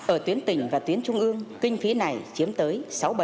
ở tuyến tỉnh và tuyến trung ương kinh phí này chiếm tới sáu mươi bảy chín